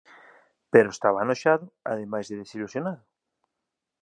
Pero estaba anoxado ademais de desilusionado.